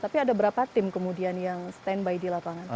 tapi ada berapa tim kemudian yang standby di lapangan